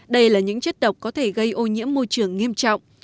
đây là những chất độc có thể gây ô nhiễm môi trường nghiêm trọng